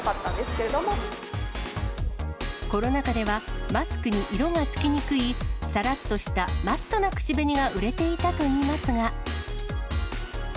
けれコロナ禍では、マスクに色がつきにくいさらっとしたマットな口紅が売れていたといいますが。